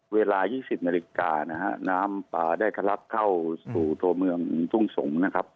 เวลา๒๐นาฬิกานะฮะน้ำป่าได้ทะลักเข้าสู่ตัวเมืองทุ่งสงศ์นะครับ